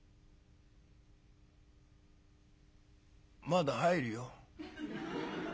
「まだ入るよ。